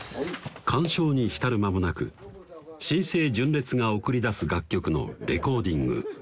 感傷に浸る間もなく新生・「純烈」が送り出す楽曲のレコーディング